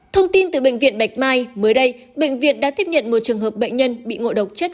thông tin từ bệnh viện bạch mai mới đây bệnh viện đã tiếp nhận một trường hợp bệnh nhân bị ngộ độc chất